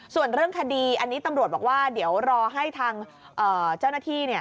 ส่วนเรื่องคดีอันนี้ตำรวจบอกว่าเดี๋ยวรอให้ทางเจ้าหน้าที่